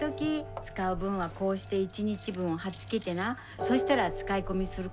使う分はこうして１日分を貼っつけてなそしたら使い込みすることもあらへん。